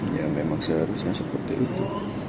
ya memang seharusnya seperti itu